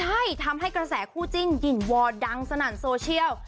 ใช่ทำให้กระแสคู่จิ้นหญิงวอร์ดังสนั่นโซเชียล